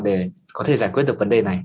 để có thể giải quyết được vấn đề này